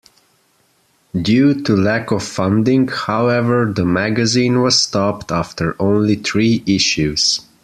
Due to lack of funding, however, the magazine was stopped after only three issues.